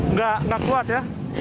nggak kuat ya